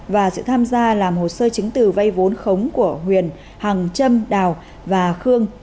và sự tham gia làm hồ sơ chứng từ vay vốn khống của huyền hằng trâm đào và khương